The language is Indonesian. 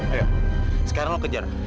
ayo sekarang lu kejar